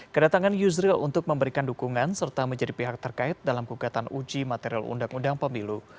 kedatangan yusril untuk memberikan dukungan serta menjadi pihak terkait dalam gugatan uji material undang undang pemilu